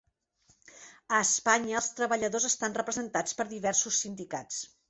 A Espanya, els treballadors estan representats per diversos sindicats.